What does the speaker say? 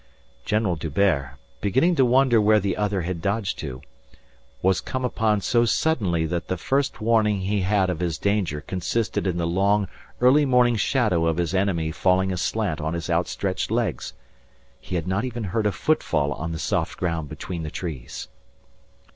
General D'Hubert, beginning to wonder where the other had dodged to, was come upon so suddenly that the first warning he had of his danger consisted in the long, early morning shadow of his enemy falling aslant on his outstretched legs. He had not even heard a footfall on the soft ground between the trees!